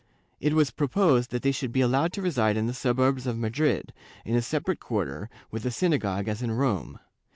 It was proposed that they should be allowed to reside in the suburbs of Madrid, in a separate quarter, with a synagogue, as in Rome.